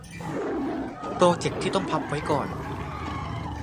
โปรเจกต์ที่ต้องพับไว้ก่อน